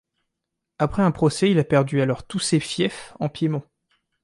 Après un procès il a perdu alors tous ses fiefs en Piémont.